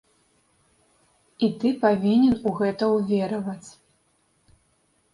І ты павінен у гэта ўвераваць.